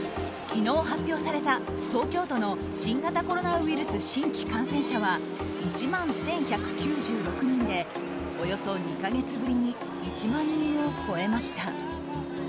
昨日、発表された東京都の新型コロナウイルス新規感染者は１万１１９６人でおよそ２か月ぶりに１万人を超えました。